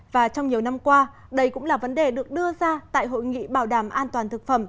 và trong nhiều năm qua đây cũng là vấn đề được đưa ra tại hội nghị bảo đảm an toàn thực phẩm